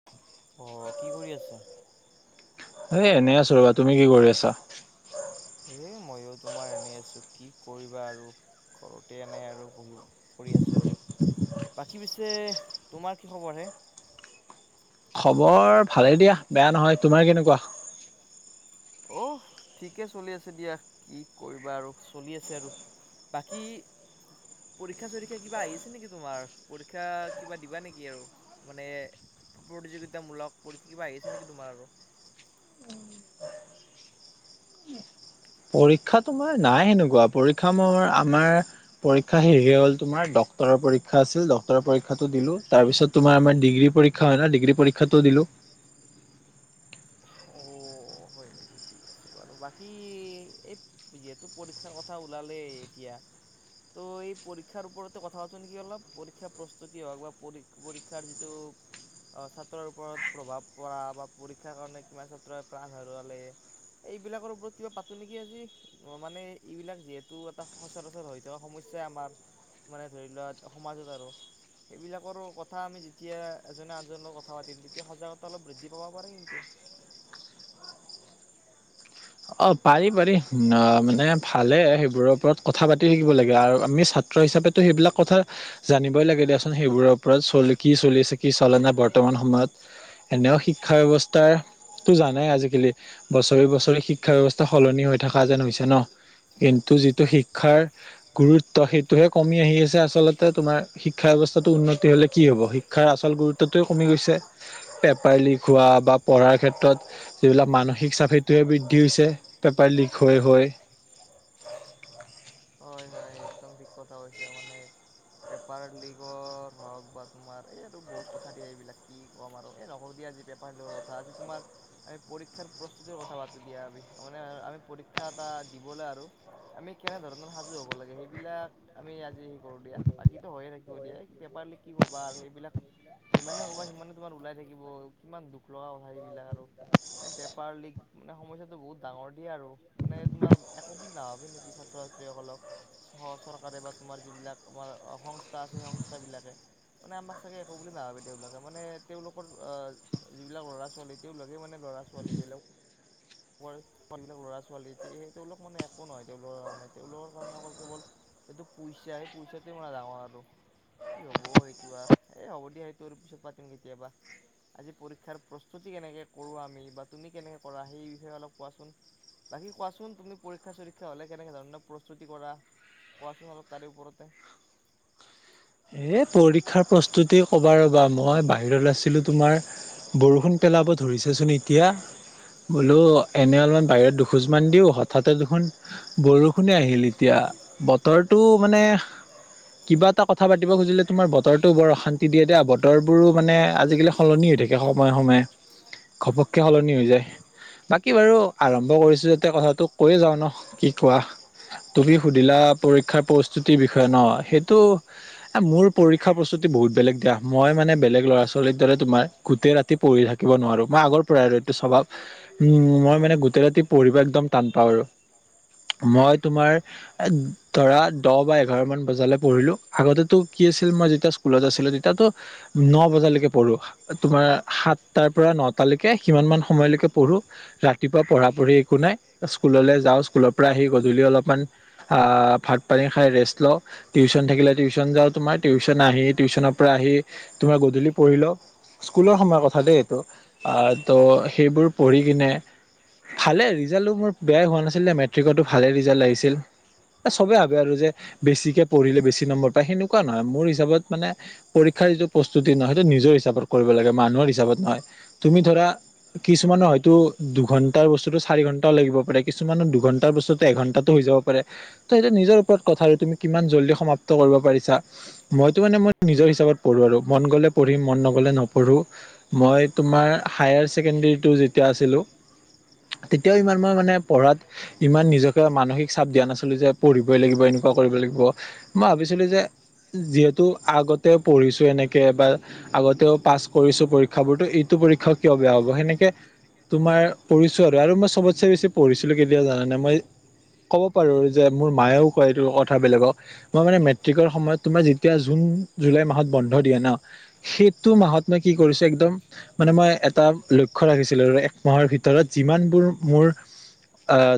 [inaudible] অ' কি কৰি আছা? এই এনেই আছো ৰবা। তুমি কি কৰি আছা? হেই মইো তোমাৰ এনেই আছো কি কৰিবা আৰু। ঘৰতে এনে আৰু বহি কৰি আছোঁ আৰু। বাকী পিছে তোমাৰ কি খবৰ হে? খবৰ ভালে দিয়া বেয়া নহয়। তোমাৰ কেনেকুৱা? অ' ঠিকে চলি আছে দিয়া কি কৰিবা আৰু চলি আছে আৰু। বাকী? পৰীক্ষা চৰীক্ষা কিবা আহিছে নেকি তোমাৰ পৰীক্ষা কিবা দিবা নেকি আৰু? মানে প্ৰতিযোগিতামূলক পৰীক্ষা কিবা আহিছে নেকি তোমাৰ আৰু? পৰীক্ষাটো নাই সেনেকুৱা পৰীক্ষা মোৰ আমাৰ পৰীক্ষা শেষেই হ'ল তোমাৰ, ডক্তৰৰ পৰীক্ষা আছিল ডক্তৰৰ পৰীক্ষাটো দিলোঁ। তাৰপিছত তোমাৰ, আমাৰ ডিগ্ৰী পৰীক্ষা হয় ন ডিগ্ৰী পৰীক্ষাটো দিলো। অ' হয় নেকি? ঠিক আছে বাৰু, বাকী এই যিহেতু পৰীক্ষাৰ কথা ওলালেই এতিয়া তো এই পৰীক্ষাৰ ওপৰতে কথা পাতো নে কি অলপ, পৰীক্ষাৰ প্ৰস্তুতি হওুক বা পৰীক্ষাৰ যিটো ছাত্ৰৰ ওপৰত প্ৰভাৱ পৰা বা পৰীক্ষাৰ কাৰণে কিমান ছাত্ৰই প্ৰাণ হেৰুৱালে এইবিলাকৰ ওপৰত কিবা পাতো নেকি আজি? মানে এইবিলাক যিহেতু এটা সচৰাচৰ হৈ থকা সমস্যাই আমাৰ। মানে ধৰি লোৱা সমাজত আৰু। সেইবিলাকৰ কথা আমি যেতিয়া এজনে আনজন লগত কথা পাতিম তেতিয়া সজাগতা অলপ বৃদ্ধি পাব পাৰে। টো অ' পাৰি পাৰি। অ' মানে ভালে হয় সেইবোৰৰ ওপৰত কথা পাতি থাকিব লাগে আৰু আমি ছাত্ৰ হিচাপেতো সেইবিলাক কথা জানিবই লাগে দিয়াচোন, সেইবোৰৰ ওপৰত চল কি চলি আছে কি চলা নাই বৰ্তমান সময়ত। এনেও শিক্ষা ব্যৱস্থাটো জানাই আজিকালি বছৰি বছৰি শিক শিক্ষা ব্যৱস্থা সলনি হৈ থকা যেন হৈছে ন। কিন্তু যিটো শিক্ষাৰ গুৰুত্ব সেইটোহে কমি আহি আছে আচলতে তোমাৰ, শিক্ষা ব্যৱস্থাটো উন্নতি হ'লে কি হ'ব। শি ক্ষাৰ আচল গুৰুত্বটোৱেই কমি গৈছে। পেপাৰ লিক হোৱা বা পঢ়াৰ ক্ষেত্ৰত যিবিলাক মানসিক চাপ সেইটোৱে বৃ দ্ধি হৈছে পেপাৰ লিক হৈ হৈ। হয়, হয় একদম ঠিক কথা কৈছে মানে। পেপাৰ লিকৰ হওঁক বা তোমাৰ এই আৰু বহুত কথা দিয়ে এইবিলাক কি কম আৰু নহ'ব দিয়া আজি পেপাৰৰ কথা আজি মাৰ। আমি পৰীক্ষাৰ প্ৰস্তুতিৰ কথা পাতো দিয়া আমি। মানে আমি পৰীক্ষা এটা দিবলৈ আৰু, আমি কেনে ধৰণৰ সাজু হ'ব লাগে, সেইবিলাক। আমি আজি হে কৰোঁ দিয়া। বাকীতো হৈয়ে থাকিব দিয়া, এই পেপাৰ লিক কি ক'বা আৰু সেইবিলাক। যিমানে কবা, সিমানে তোমাৰ ওলাই থাকিব। কিমান দুখ লগা কথা এইবিলাক আৰু। মানে পেপাৰ লিক মানে সমস্যাটো বহুত ডাঙৰ দিয়া আৰু। মানে তোমাৰ একো বুলি নাভাবে নেকি ছাত্ৰ-ছাত্ৰীসকলক। স চৰকাৰে বা তোমাৰ যিবিলাক আমাৰ সংস্থা আছে, সেই সংস্থাবিলাকে। মানে আমাক চাগে, একো বুলি নাভাবে। তেওঁলোকে মানে তেওঁলোকৰ। যিবিলাক ল'ৰা-ছোৱালী, তেওঁ লগে মানে ল'ৰা-ছোৱালী বেলেগ। ল'ৰা-ছোৱালী ন। তেওঁলোক মানে একো নহয়, তেওঁলোকৰ কাৰণে তেওঁলোকৰ কাৰণে অকল কেৱ সেইটো পইচাহে, পইচাটো কিমান ডাঙৰ আকৌ আৰু কি হ'ব সেইটো আৰু, এই হ'ব দিয়া। সেইটো আৰু পিছত পাতিম কেতিয়াবা। আজি পৰীক্ষাৰ প্ৰস্তুতি কেনেকে কৰোঁ আমি। বা তুমি কেনেকে কৰা সেই বিষয়ে অলপ কোৱাচোন। বাকী কোৱাচোন, তুমি পৰীক্ষা চৰীক্ষা হ'লে কেনে ধৰণৰ প্ৰস্তুতি কৰা। কোৱাচোন অলপ তাৰে ওপৰতে। এই পৰীক্ষাৰ প্ৰস্তুতি ক'বা ৰ'বা। মই বাহিৰত আছিলোঁ তোমাৰ বৰষুণ। পেলাব ধৰিছেচোন এতিয়া। বোলো এনেই অলপমান বাহিৰত দুখোজমান দিওঁ, হঠাতে দেখোন। বৰষুণে আহিল এতিয়া। বতৰটো মানে কিবা এটা কথা পাতি খুজিলে তোমাৰ বতৰটো বৰ অশান্তি দিয়ে দিয়া। বতৰবোৰো মানে আজিকালি, সলনি হৈ থাকে সময়ে সময়ে। ঘপককৈ সলনি হৈ যায়। বাকী বাৰু আৰম্ভ কৰিছোঁ যাতে কথাটো কৈয়ে যাওঁ ন। কি কোৱা? তুমি সুধিলা পৰীক্ষাৰ প্ৰস্তুতিৰ বিষয়ে ন। সেইটো মোৰ পৰীক্ষা প্ৰস্তুতি বহুত বেলেগ দিয়া। মই মানে বেলেগ ল'ৰা-ছোৱালীৰ দৰে তোমাৰ গোটেই ৰাতি, পঢ়ি থাকিব নোৱাৰোঁ, মই আগৰ পৰাই এইটো স্বভাৱ। উম্, মই মানে গোটেই ৰাতি পঢ়িবা একদম টান পাওঁ আৰু। মই তোমাৰ ধৰা, দহ বা এঘাৰ মান বজালৈ পঢ়িলোঁ আগতে। কি আছিল মই যেতিয়া স্কুলত আছিলোঁ। তেতিয়াতো ন বজালৈকে পঢ়োঁ। তোমাৰ সাতটাৰ পৰা নটালৈকে সিমান মান সময়লৈকে পঢ়োঁ। ৰাতিপুৱা পঢ়া পঢ়ি একো নাই, স্কুললৈ যাওঁ, স্কুলৰ পৰা আহি গধূলি অলপমান আহ্ ভাত পানী খাই ৰেষ্ট লওঁ। টিউশন থাকিলে টিউন যা তোমাৰ টিউচন আহি টিউচনৰ পৰা আহি তোমাৰ গধূলি পঢ়ি লওঁ। স্কুলৰ সময়ৰ কথা দেই এইটো। ত' সেইবোৰ পঢ়ি কিনে। ভালেই ৰিজাল্টটো মোৰ বেয়াই হোৱা নাছিলে। মেট্ৰিকতো ভালে ৰিজাল্ট আহিছিল। চবে ভাবে আৰু যে, বেছিকে পঢ়িলে বেছি নম্বৰ পায়। সেনেকুৱা নহয় মোৰ হিচাপত মানে। পৰীক্ষাৰ যিটো প্ৰস্তুতি নহয়, সেইটো নিজৰ হিচাপত কৰিব লাগে মানুহৰ হিচাপত নহয় তুমি ধৰা। কিছুমানৰ হয়তো দুঘন্টাৰ বস্তুো চাৰি ঘন্টাও লাগিব পাৰে। কিছুমানৰ দুঘন্টাৰ বস্তু। এঘন্টাটো হৈ যাব পাৰে। ত সেইটো নিজৰ ওপৰত কথা আৰু তুমি কিমান জল্দি সমাপ্ত কৰিব মইটো মানে মই নিজৰ হিচাপত পঢ়ো আৰু মন গ'লে পঢ়ো, মন নগ'লে নপঢ়ো। মই তোমাৰ হায়াৰ ছেকেণ্ডেৰীটো যেতিয়া আছিলোঁ। তেতিয়াও ইমান মই মানে পঢ়াত। ইমান নিজকে মানসিক চাপ দিয়া নাছিলো। যে পঢ়িবই লাগিব এনেকুৱা কৰিব লাগিব মই ভাবিছোঁ। যে যিহেতু আগতে পঢ়িছোঁ এনেকে বা আগতেও পাছ কৰিছোঁ। পৰীক্ষাবোৰো এইটো পৰীক্ষাও কিয় বেয়া হ'ব। সেনেকে- তোমাৰ পঢ়িছোঁ আৰু মই চবতচে বেছি পঢ়িছিলোঁ। কেতিয়াও জানা নাই মই- ক'ব পাৰোঁ যে, মোৰ মায়েও কয় এইটো কথা বেলেকক, মই মানে সেইকন সময়ত তোমাৰ যেতিয়া জুন জুলাই মাহত বন্ধ দিয়ে ন। সেইটো মাহত মই কি কৰিছোঁ একদম। মানে মই এটা লক্ষ্য ৰাখিছিলো আৰু এক মাহৰ ভিতৰত যিমানবোৰ মোৰ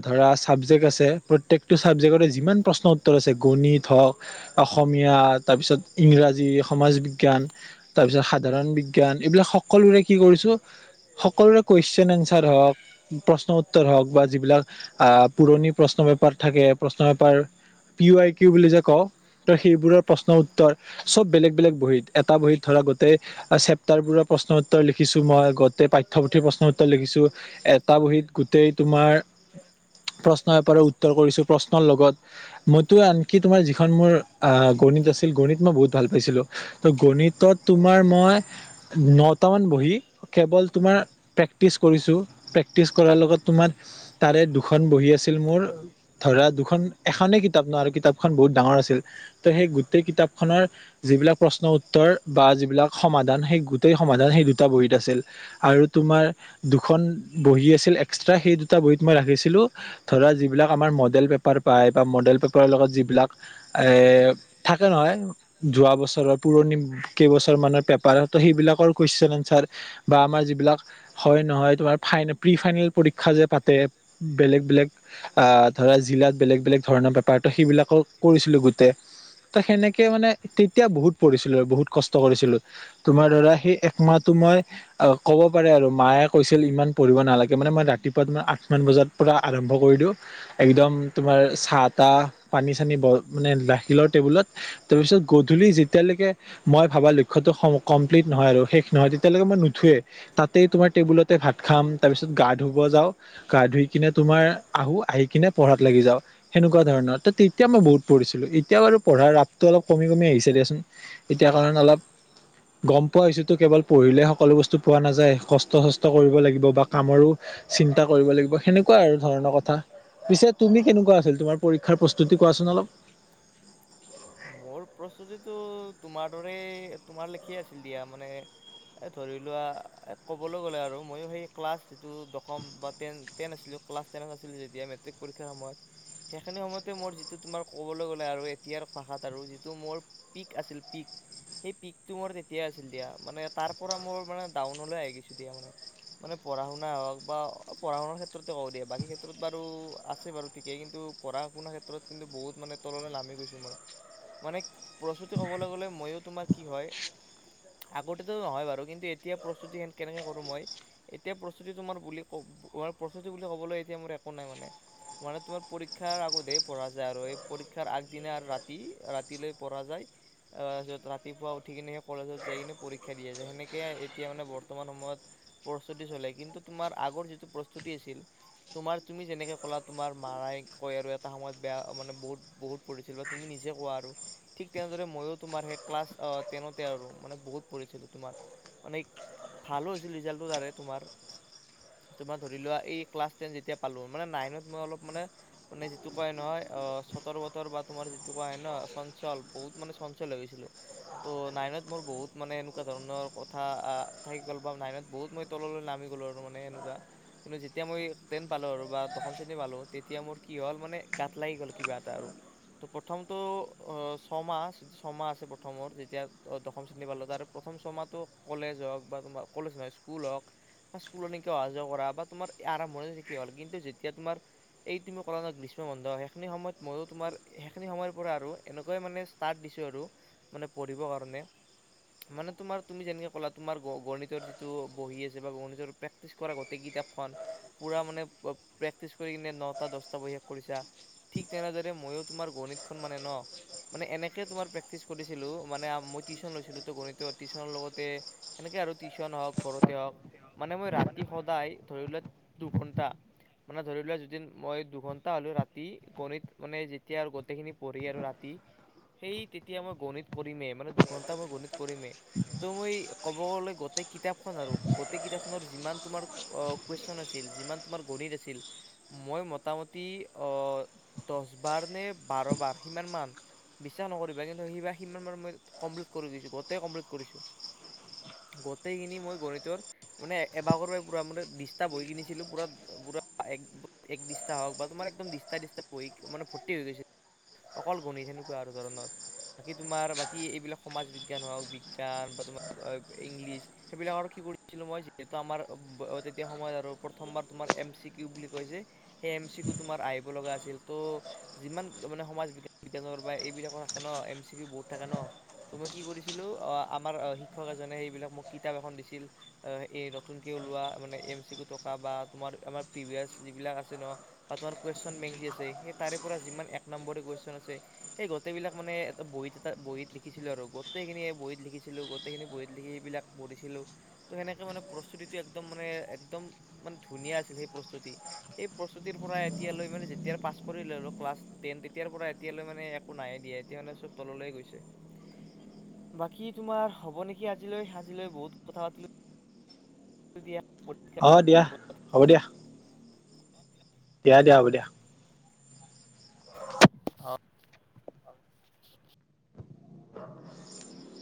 ধৰা চাবজেক্ট আছে প্ৰত্যেকটো চাবজেক্টতে যিমান প্ৰশ্ন উত্তৰ আছে গণিত হওঁক অসমীয়া তাৰপিছত ইংৰাজী সমাজ বিজ্ঞান তাৰ পিছত সাধাৰণ বিজ্ঞান এইবিলাক সকলোৰে কি কৰিছোঁ সকলোৰে কুৱেশ্বন এনচাৰ হওঁক প্ৰশ্ন উত্তৰ হওঁক বা যিবিলাক আহ পুৰণি প্ৰশ্ন পেপাৰ থাকে প্ৰশ্ন পেপাৰ পি আই কিউ বুলি যে কয় তো সেইবোৰৰ প্ৰশ্নৰ উত্তৰ চব বেলেগ, বেলেগ বহীত এটা বহীত ধৰা গোটেই চেপ্টাৰবোৰৰে প্ৰশ্নোত্তৰ লিখিছোঁ মই গোটেই পাঠ্যপুথিৰ প্ৰশ্ন উত্তৰ লিখিছোঁ এটা বহীত গোটেই তোমাৰ প্ৰশ্নৰ পেপাৰৰ উত্তৰ কৰিছোঁ প্ৰশ্নৰ লগত মইতো আনকি তোমাৰ এখন মোৰ আহ গণিত আছিল গণিত মই বহুত ভাল পাইছিলোঁ তো গণিতত তোমাৰ মই নটামান বহী কেৱল তোমাৰ প্ৰেক্টিচ কৰিছো প্ৰেক্টিচ কৰাৰ লগত তোমাৰ তাৰে দুখন বহি আছিল মোৰ ধৰা দুখন এখনে কিতাপ ন আৰু কিতাপখন বহুত ডাঙৰ আছিল ত' সেই গোটেই কিতাপ খনৰ যিবিলাক প্ৰশ্ন উত্তৰ বা এইবিলাক সমাধান সেই গোটেই সমাধান সেই দুটা বহীত আছিল। আৰু তোমাৰ দুখন বহী আছিল এক্সট্ৰা সেই দুটা বহীত মই ৰাখিছিলোঁ ধৰা যিবিলাক আমাৰ মডেল পেপাৰ পায় বা মডেল পেপাৰৰ লগত যিবিলাক এ থাকে নহয় যোৱা বছৰৰ পুৰণি কেইবছৰ মানৰ পেপাৰ তো সেইবিলাকৰ কুৱেশ্বন এনচাৰ বা আমাৰ যিবিলাক হয় নহয় তোমাৰ ফাইন প্ৰি ফাইনেল পৰীক্ষা যে পাতে বেলেগ বেলেগ আহ ধৰা জিলাত বেলেগ, বেলেগ ধৰণৰ বেপাৰতো সেইবিলাকৰ কৰিছিলো গোটেই ত 'সেনেকে মানে তেতিয়া বহুত পৰিঢ়িছিলো আৰু বহুত কষ্ট কৰিছিলোঁ তোমাৰ দৰা সেই একমাহটো মই অ', ক'ব পাৰে আৰু মায়ে কৈছিল ইমান পঢ়িব নালাগে মানে মই ৰাতিপুৱা আঠ মান বজাত পৰা আৰম্ভ কৰি দিওঁ একদম তোমাৰ চা তাহ পানী অ'। মানে লাখিলৰ টেবুলত তাৰপিছত গধূলি যেতিয়ালৈকে মই ভাবা লক্ষ্যতো কমপ্লিট নহয় আৰু শেষ নহয় তেতিয়ালৈকে মই নুঠোৱে। তাতেই তোমাৰ টেবুলতে ভাত খাম তাৰপিছত গা ধুব যাওঁ। গা ধুই কিনে তোমাৰ আহো আহি কিনে পঢ়াত লাগি যাওঁ সেনেকুৱা ধৰণৰ এতিয়া মই বহুত পঢ়িছিলো এতিয়া আৰু পঢ়াৰ ৰাপটো অলপ কমি কমি আহিছে দিয়াচোন। এতিয়া কাৰণে অলপ গম পোৱা হৈছোতো কেৱল পঢ়িলে সকলো বস্তু পোৱা নাযায় কষ্ট চষ্ট কৰিব লাগিব বা কামৰো চিন্তা কৰিব লাগিব সেনেকুৱা আৰু ধৰণৰ কথা পিছে তুমি কেনেকুৱা আছিল তোমাৰ পৰীক্ষাৰ প্ৰশ্ন তি কোৱাচোন অলপ মোৰ প্ৰস্তুতিটো তোমাৰ দৰে তোমাৰ লেখিয়া আছিল দিয়া মানে এই ধৰি লোৱা ক'বলৈ গ'লে আৰু ময়ো সেই ক্লাছ যিটো দশম বা টেন টেন আছিলো ক্লাছ টেনত আছিলো যেতিয়া মেটিকৰীক্ষাৰ সময়ত সেইখিনি সময়তে মোৰ যিটো তোমাৰ ক'বলৈ গ'লে আৰু এতিয়াৰ ভাষাত আৰু যিটো মোৰ পিক আছিল পিক সেই পিকটো মোৰ তেতিয়াই আছিল দিয়া মানে তাৰ পৰা মোৰ মানে ডাউনলৈ আহি গৈছো দিয়া মানে মানে পঢ় শুনা হওঁক বা পঢ়া শুনাৰ ক্ষেত্ৰতে ক দিয়া বাকী ক্ষেত্ৰত বাৰু আছে বাৰু ঠিকেই কিন্তু পঢ়া শুননা ক্ষেত্ৰত কিন্তু বহুত মান তলৈ নামি গৈছো মই মানে প্ৰস্তুতি ক'বলৈ গ'লে মইো তোমাৰ কি হয় আগতে নহয় বাৰু কিন্তু এতিয়া প্ৰস্তুতি কেনেকে কৰো মই এতিয়া প্ৰস্তুতি তোমাৰ বুলি ক প্ৰস্তুতি বুলি ক'বলৈ এতিয়া মোৰ একো নাই মানে মানে তোমাৰ পৰীক্ষাৰ আগতে পঢ়া যায় আৰু এই পৰীক্ষাৰ আগদিনে আৰু ৰা ৰাতি ৰাতিলৈ পৰা যায়। তাৰপিছত ৰাতিপুৱা উঠি কিনে সেই কলেজত যাই কিনে পৰীক্ষা দিয়া যায়, সেনেকে এতিয়া মানে বৰ্তমান সময়ত প্ৰস্তুতি চলে কিন্তু তোমাৰ আগৰ যিটো প্ৰস্তুতি আছিল। তোমাৰ তুমি যেনেকে ক'লা তোমাৰ মাৰাই কয় আৰু এটা সময়ত বেয়া, মানে বহুত-বহুত পঢ়িছিল। তুমি নিজে কোৱা আৰু। ঠিক তেনেদৰে মইয়ো তোমাৰ সেই ক্লাছ টেনতে আৰু মানে বহুত পঢ়িছিলোঁ তোমাৰ। মানে ভালো হৈছিল ৰিজাল্টটো তাৰে তোমাৰ। তোমাৰ ধৰিলোৱা এই ক্লাছ টেন যেতিয়া পালোঁ, মানে নাইনত মই অলপ মানে মানে যিটো কয় নহয় অহ, চতৰ-বতৰ বা তোমাৰ যিটো কোৱা হয় ন' চঞ্চল, বহুত মানে চঞ্চল হৈ গৈছিলোঁ। ত' নাইনত মোৰ বহুত মানে এনেকুৱা ধৰণৰ কথা, থাকি গ'ল নাইনত বহুত মই তললৈ নামি গলোঁ আৰু মানে এনেকুৱা। কিন্তু যেতিয়া মই ট্ৰেন পালোঁ আৰু বা দশম শ্ৰেণী পালোঁ, তেতিয়া মোৰ কি হ'ল মানে গাঁত লাগি গ'ল কিবা এটা আৰু। ত' প্ৰথমটো ছয়মাহ যিটো ছয়মাহ আছে প্ৰথমৰ যেতিয়া দশম শ্ৰেণী পালোঁ। তাৰে প্ৰথম ছয়মাহ কলেজ হওঁক বা, কলেজ নহয় স্কুল হওঁক। স্কুলত এনেকে অহা যোৱা কৰা বা তোমাৰ আৰম্ভণি থিকে হ'ল কিন্তু যেতিয়া তোমাৰ এই তুমি ক'লা নহয় গ্ৰীষ্ম বন্ধ হয় সেইখিনি সময়ত মইয়ো তোমাৰ সেইখিনি সময়ৰ পৰা আৰু এনেকুৱাই মানে ষ্টাৰ্ট দিছোঁ আৰু মানে পঢ়িব কাৰণে। মানে তোমাৰ তুমি যেনেকে ক'লা তোমাৰ গণিতৰ যিটো বহি আছে বা গণিতৰ প্ৰেক্টিছ কৰা গোটেই কিতাপখন, পুৰা মানে প্ৰেক্টিচ কৰি কিনে নটা দহটা বহি শেষ কৰিছা। ঠিক তেনেদৰে মইয়ো তোমাৰ গণিতখন মানে ন'। মানে এনেকে তোমাৰ প্ৰেক্টিচ কৰিছিলোঁ, মানে মই টিউশ্যন লৈছিলোতো গণিতত। টিউশ্যনৰ লগতে সেনেকে আৰু টিউশ্যন হওঁক ঘৰতে হওঁক। মানে মই ৰাতি সদায় ধৰিলওঁক দুঘণ্টা। মানে ধৰিলোৱা যদিন মই দুঘন্টা হলে'ও ৰাতি গণিত মানে যি এতিয়া আৰু গোটেইখিনি পঢ়ি আৰু ৰাতি সেই তেতিয়া মই গণিত কৰিমেই, মানে দুঘণ্টা মই গণিত কৰিমেই। ত' মই ক'ব গ'লে গোটেই কিতাপখন আৰু গোটেই কিতাপখনত যিমান তোমাৰ অহ, কুৱেশ্যন আছিল, যিমান তোমাৰ গণিত আছিল। মই মটামটি অহ, দহবাৰ নে বাৰবাৰ সিমান মান। বিশ্বাস নকৰিবা কিন্তু সেইবাৰ সিমানবাৰ মই কমপ্লিট কৰি দিছোঁ, গটেই কমপ্লিট কৰিছোঁ। গটেইখিনি মই গণিতৰ মানে এবাকৰে পৰা পুৰা মানে দিস্তা বহী কিনিছিলোঁ পুৰা-পুৰা এক দিস্তা হওঁক বা তোমাৰ একদম দিস্তা-দিস্তা মানে ভৰ্তি হৈ গৈছে। অকল গণিত সেনেকুৱা আৰু ধৰণৰ। বাকী তোমাৰ, বাকী এইবিলাক সমাজ বিজ্ঞান, হওঁক বিজ্ঞান, বা তোমাৰ অহ, ইংলিছ। সেইবিলাক আৰু কি কৰিছিলোঁ মই যিহেতু আমাৰ তেতিয়া সময়ত আৰু প্ৰথমবাৰ তোমাৰ এম চি কিউ বুলি কয় যে সেই এম চি কিউ তোমাৰ আহিব লগা আছিল ত যিমান মানে সমাজ বিজ্ঞান, বিজ্ঞানৰ বা এইবিলাকো থাকে ন', এম চি কিউ বহুত থাকে ন'। ত' মই কি কৰিছিলো অহ, আমাৰ অহ, শিক্ষক এজনে এইবিলাক মোক কিতাপ এখন দিছিল। অহ, এই নতুনকে ওলোৱা মানে এম চি কিউ থকা বা তোমাৰ আমাৰ প্ৰিভিয়াচ যিবিলাক আছে ন'। বা তোমাৰ কুৱেশ্যন বেঙ্ক আছে, সেই তাৰেই পৰা যিমান এক নম্বৰ কুৱেশ্যন আছে। সেই গোটেইবিলাক মানে বহীত এটাত বহীত লিখিছিলোঁ আৰু গোটেইখিনিয়ে বহীত লিখিছিলোঁ। গোটেইখিনি বহীত লিখি সেইবিলাক পঢ়িছিলোঁ। ত' সেনেকে মানে প্ৰস্তুতিটো একদম মানে, একদম মানে ধুনীয়া আছিল সেই প্ৰস্তুতি। সেই প্ৰস্তুতিৰ পৰাই এতিয়ালৈ মানে, যেতিয়াৰ পাছ কৰিলে এওঁলোক। ক্লাছ টেন তেতিয়াৰ পৰা এতিয়ালৈ মানে একো নাইয়ে দিয়া, এতিয়া মানে চব তললৈয়ে গৈছে। বাকী তোমাৰ হ'ব নেকি আজিলৈ, আজিলৈ বহুত কথা পাতিলোঁ। [unintelligible] দিয়া। অহ, দিয়া, হ'ব দিয়া। দিয়া, দিয়া, হ'ব দিয়া। অ'।